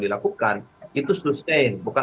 dilakukan itu sustain bukan